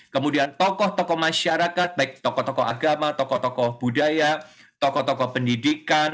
kemudian tokoh tokoh masyarakat baik tokoh tokoh agama tokoh tokoh budaya tokoh tokoh pendidikan